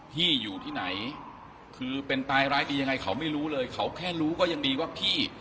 พี่อยู่ที่ไหนคือเป็นตายร้ายดียังไงเขาไม่รู้เลยเขาแค่รู้ก็ยังดีว่าพี่